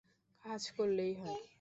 কাজ করলেই হয়!